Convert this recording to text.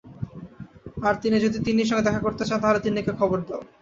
আর তিনি যদি তিন্নির সঙ্গে দেখা করতে চান, তাহলে তিন্নিকে খবর দাও!